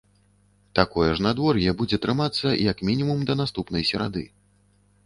Такое ж надвор'е будзе трымацца як мінімум да наступнай серады.